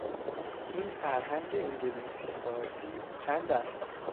این فرهنگ انگلیسی - فارسی چند است؟